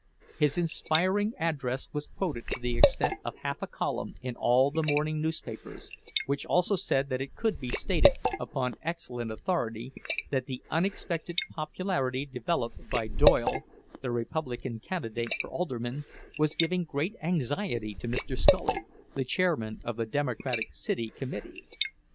His inspiriting address was quoted to the extent of half a column in all the morning newspapers, which also said that it could be stated upon excellent authority that the unexpected popularity developed by Doyle, the Republican candidate for alderman, was giving great anxiety to Mr. Scully, the chairman of the Democratic City Committee.